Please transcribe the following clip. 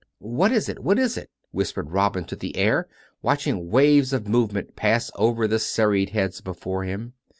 " What is it? what is it? " whispered Robin to the air, watching waves of movement pass over the serried heads before him.